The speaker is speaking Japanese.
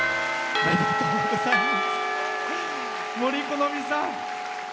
ありがとうございます。